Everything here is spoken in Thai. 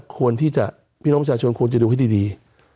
ควรที่จะพี่น้องประชาชนควรจะดูให้ดี